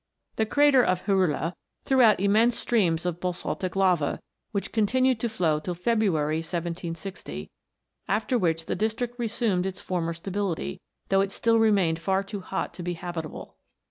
The crater of Jorullo threw out immense streams of basaltic lava, which continued to flow till February, 1760, after which 294 PLUTO'S KINGDOM. the district resumed its former stability, though it still remained far too hot to be habitable.